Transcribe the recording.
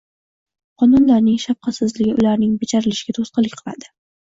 Qonunlarning shafqatsizligi ularning bajarilishiga to‘sqinlik qiladi.